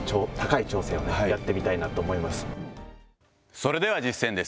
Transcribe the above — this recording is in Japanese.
それでは実践です。